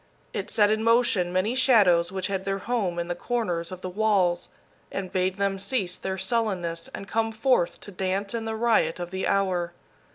It set in motion many shadows which had their home in the corners of the walls, and bade them cease their sullenness and come forth to dance in the riot of the hour.